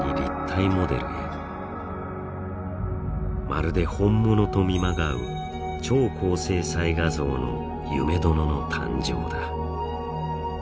まるで本物と見まがう超高精細画像の夢殿の誕生だ。